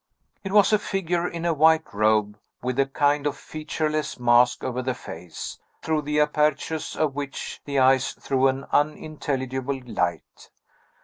It was a figure in a white robe, with a kind of featureless mask over the face, through the apertures of which the eyes threw an unintelligible light.